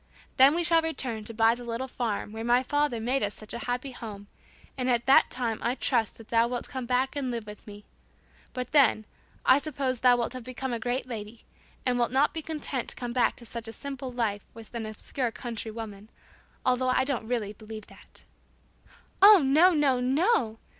Then we shall return to buy the little farm where my father made us such a happy home, and at that time I trust that thou wilt come back and live with me but then, I suppose thou wilt have become a great lady, and wilt not be content to come back to such a simple life with an obscure country woman (although I really don't believe that)." "Oh, no, no, no!"